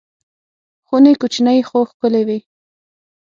خونې کوچنۍ خو ښکلې وې.